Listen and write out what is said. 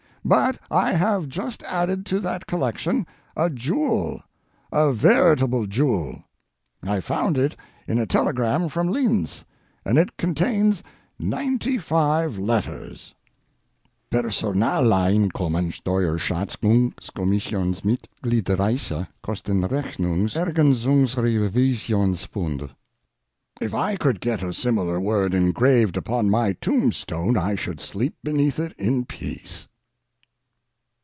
But I have just added to that collection a jewel—a veritable jewel. I found it in a telegram from Linz, and it contains ninety five letters: Personaleinkommensteuerschatzungskommissionsmitgliedsreisekostenrechnungs erganzungsrevisionsfund If I could get a similar word engraved upon my tombstone I should sleep beneath it in peace.